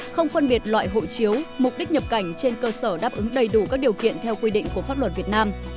không phân biệt loại hộ chiếu mục đích nhập cảnh trên cơ sở đáp ứng đầy đủ các điều kiện theo quy định của pháp luật việt nam